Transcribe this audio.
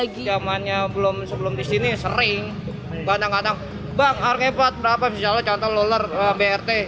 jamannya sebelum disini sering kadang kadang bang harganya berapa misalnya contohnya lolar brt